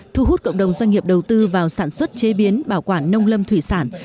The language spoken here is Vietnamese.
thu hút cộng đồng doanh nghiệp đầu tư vào sản xuất chế biến bảo quản nông lâm thủy sản